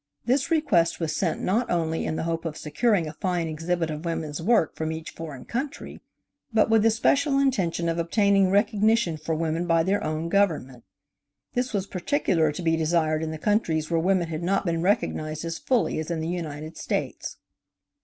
This request was sent not only in the hope of securing a fine exhibit of women's work from each foreign country, but with the special intention of obtaining recognition for women by their own government. This was particularly to be desired in the countries where women had not been recognized as fully as in the United States.